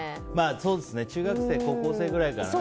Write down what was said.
中学生、高校生くらいからね。